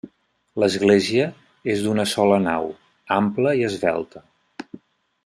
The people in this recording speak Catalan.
L'església és d'una sola nau, ampla i esvelta.